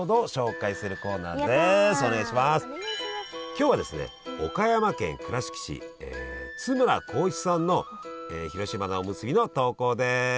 今日はですね岡山県倉敷市津村甲一さんの広島菜おむすびの投稿です。